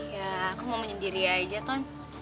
ya aku mau menyendiri aja ton